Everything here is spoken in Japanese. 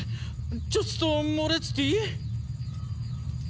ちょつとモレツティ？